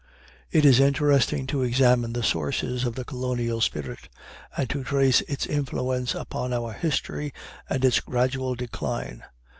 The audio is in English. It is interesting to examine the sources of the colonial spirit, and to trace its influence upon our history and its gradual decline.